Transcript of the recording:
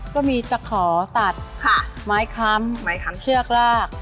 ก็มีจักรขอตัดไม้คล้ำเชือกราก